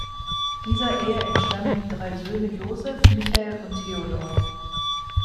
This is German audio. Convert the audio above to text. Dieser Ehe entstammen die drei Söhne Joseph, Michael und Theodor.